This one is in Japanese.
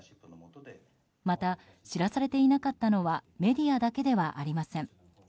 また、知らされていなかったのはメディアだけではありません。